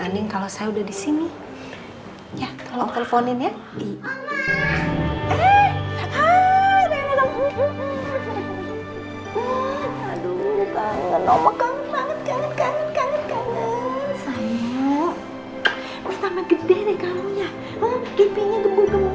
anding kalau saya udah di sini ya tolong teleponin ya iya hai hai hai hai hai hai